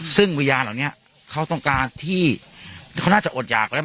ซึ่งวิญญาณเหล่านี้เขาต้องการที่เขาน่าจะอดหยากแล้ว